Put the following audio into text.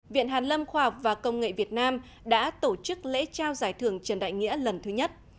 viện hàn lâm khoa học và công nghệ việt nam đã tổ chức lễ trao giải thưởng trần đại nghĩa lần thứ nhất